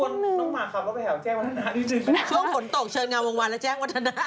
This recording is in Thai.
ต้องกลัวน้องหมาคำว่าไปหาแจ้งวัฒนาช่วงผลตกเชิญงานวงวันแล้วแจ้งวัฒนา